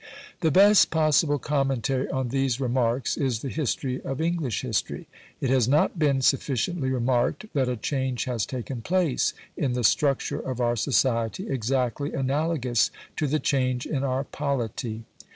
The best possible commentary on these remarks is the history of English history. It has not been sufficiently remarked that a change has taken place in the structure of our society exactly analogous to the change in our polity.